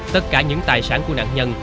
tất cả những tài sản của nạn nhân